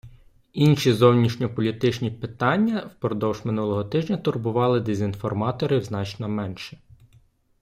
Інші зовнішньополітичні питання впродовж минулого тижня турбували дезінформаторів значно менше.